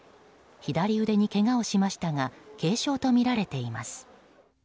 左腕にけがをしましたが軽傷とみられています。